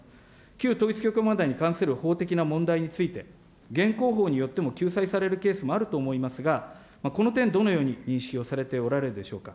旧統一教会問題に関する法的な問題について、現行法によっても救済されるケースもあると思いますが、この点、どのように認識をされておられるでしょうか。